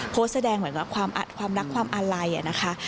โพสต์แสดงเหมือนกับความอัดความรักความอาลัยนะคะ